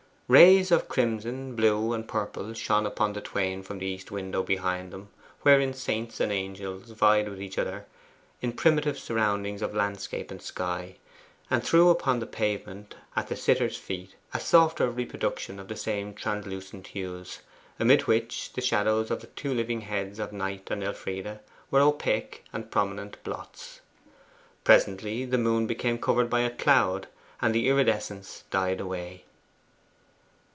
Rays of crimson, blue, and purple shone upon the twain from the east window behind them, wherein saints and angels vied with each other in primitive surroundings of landscape and sky, and threw upon the pavement at the sitters' feet a softer reproduction of the same translucent hues, amid which the shadows of the two living heads of Knight and Elfride were opaque and prominent blots. Presently the moon became covered by a cloud, and the iridescence died away.